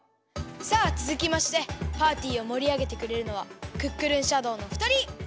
さあつづきましてパーティーをもりあげてくれるのはクックルンシャドーのふたり！